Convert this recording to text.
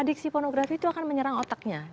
diksi pornografi itu akan menyerang otaknya